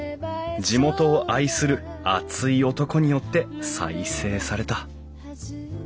地元を愛する熱い男によって再生された」。